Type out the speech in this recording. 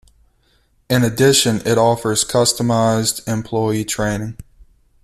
In addition, it offers customized employee training.